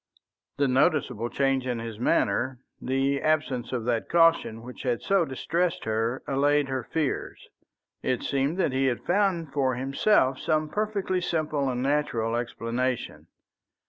The noticeable change in his manner, the absence of that caution which had so distressed her, allayed her fears. It seemed that he had found for himself some perfectly simple and natural explanation.